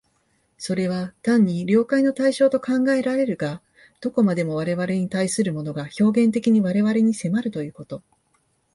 それは単に了解の対象と考えられるが、どこまでも我々に対するものが表現的に我々に迫るということ、